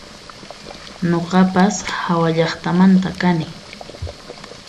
Nuqapas hawallaqtamantan kani